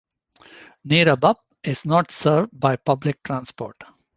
Neerabup is not served by public transport.